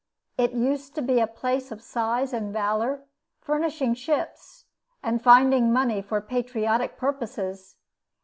It used to be a place of size and valor, furnishing ships, and finding money for patriotic purposes.